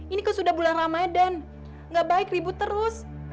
ini kok sudah bulan ramadan gak baik ribut terus